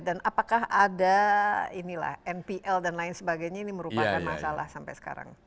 dan apakah ada ini lah npl dan lain sebagainya ini merupakan masalah sampai sekarang